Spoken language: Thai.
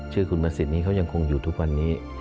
ชื่อคุณประสิทธิ์นี้เขายังคงอยู่ทุกวันนี้